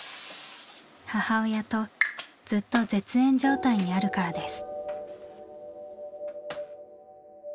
母親とずっと絶縁状態にあるからです。